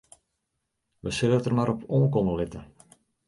Wy sille it der mar op oankomme litte.